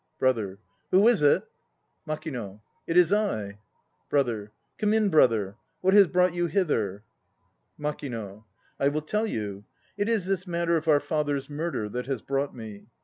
BROTHER. Who is it? MAKINO. It is I. BROTHER. Come in, brother. What has brought you hither? MAKINO. I will tell you. It is this matter of our father's murder that has brought me.